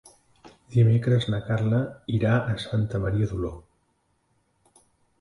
Dimecres na Carla irà a Santa Maria d'Oló.